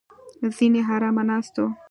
ځینې ارامه ناست وو.